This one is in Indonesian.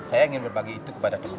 saya ingin berbagi itu kepada teman teman